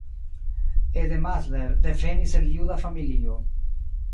Ede Mahler devenis el juda familio.